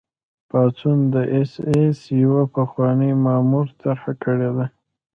پاڅون د اېس ایس یوه پخواني مامور طرح کړی دی